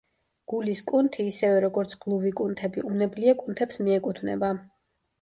გულის კუნთი, ისევე როგორც გლუვი კუნთები, უნებლიე კუნთებს მიეკუთვნება.